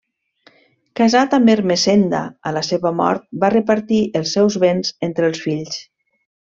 Casat amb Ermessenda, a la seva mort va repartir els seus béns entre els fills.